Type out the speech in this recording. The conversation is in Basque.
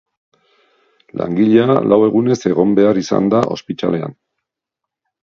Langilea lau egunez egon behar izan da ospitalean.